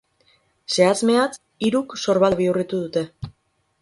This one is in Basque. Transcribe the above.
Zehatz-mehatz, hiruk sorbalda bihurritu dute.